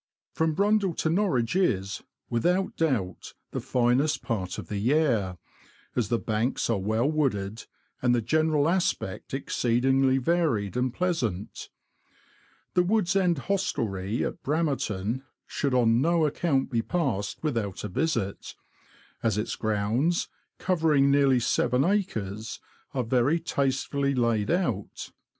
From Brundall to Norwich is, without doubt, the finest part of the Yare, as the banks are well wooded, and the general aspect exceedingly varied and pleasant. The Wood's End hostelry, at Bramerton, should on no account be passed without a visit, as its grounds, covering nearly seven acres, are very tastefully laid out.